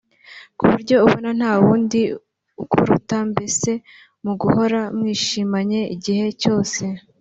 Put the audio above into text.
ku buryo abona nta wundi ukuruta mbese mu gahora mwishimanye igihe cyose